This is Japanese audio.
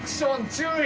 「注意」。